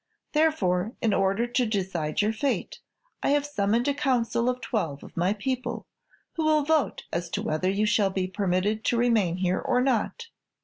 Therefore, in order to decide your fate, I have summoned a Council of twelve of my people, who will vote as to whether you shall be permitted to remain here or not.